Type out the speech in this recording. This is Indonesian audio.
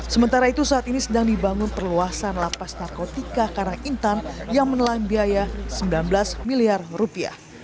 sementara itu saat ini sedang dibangun perluasan lapas narkotika karangintan yang menelan biaya sembilan belas miliar rupiah